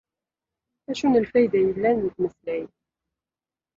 Acu n lfayda yellan deg umeslay?